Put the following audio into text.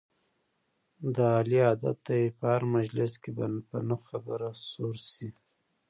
د علي عادت دی په هر مجلس کې په نه خبره سور شي.